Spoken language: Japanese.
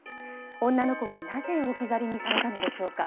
女の子は、なぜ置き去りにされたのでしょうか。